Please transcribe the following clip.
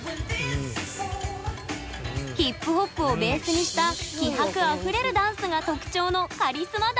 ヒップホップをベースにした気迫あふれるダンスが特徴のカリスマダンサー。